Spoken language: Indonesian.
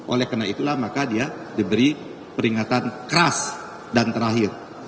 oleh karena itulah maka dia diberi peringatan keras dan terakhir